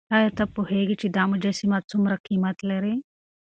ایا ته پوهېږې چې دا مجسمه څومره قیمت لري؟